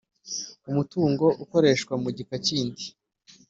Umutungo ukoreshwa mu gika kindi